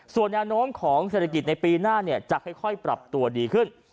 ส่วนแนวโน้มของเศรษฐกิจในปีหน้าจะค่อยปรับตัวดีขึ้น